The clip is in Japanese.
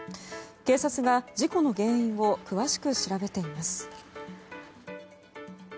警察が事故の原因を詳しく調べています。